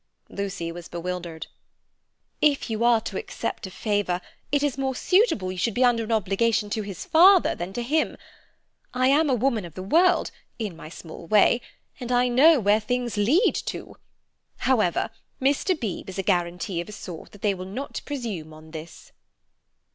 Lucy was bewildered. "If you are to accept a favour it is more suitable you should be under an obligation to his father than to him. I am a woman of the world, in my small way, and I know where things lead to. However, Mr. Beebe is a guarantee of a sort that they will not presume on this."